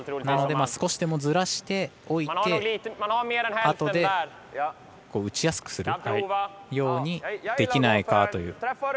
なので、少しでもずらしておいてあとで、打ちやすくするようにできないかという。